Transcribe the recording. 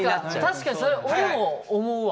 確かにそれ俺も思うわ。